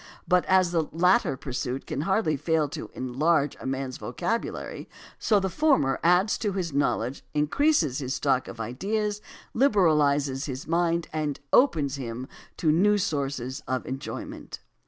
But as the latter pursuit can hardly fail to enlarge a man's vocabulary, so the former adds to his knowledge, increases his stock of ideas, liberalizes his mind, and opens to him new sources of enjoyment.